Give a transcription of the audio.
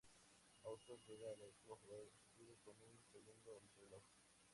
Houston llegó a la última jugada del partido con un segundo en el reloj.